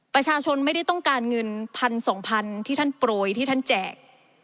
ประชาชนไม่ได้ต้องการเงินพันสองพันที่ท่านโปรยที่ท่านแจก